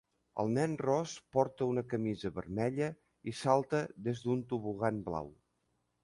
El nen ros porta una camisa vermella i salta d'un tobogan blau.